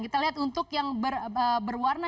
kita lihat untuk yang berwarna